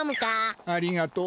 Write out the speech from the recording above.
ありがとう。